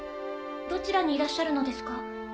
どちらにいらっしゃるのですか？